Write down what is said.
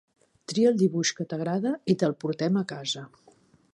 Tria el dibuix que t'agrada i te'l portem a casa.